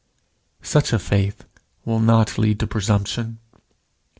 Such a faith will not lead to presumption.